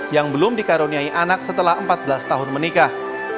yang belum dikaruniai anak setelah empat belas tahun menikah